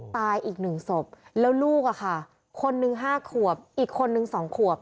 ตายอีกหนึ่งศพแล้วลูกคนนึง๕ขวบอีกคนนึง๒ขวบ